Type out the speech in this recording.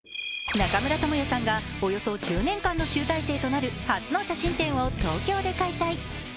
中村倫也さんがおよそ１０年間の集大成となる初の写真展を東京で開催。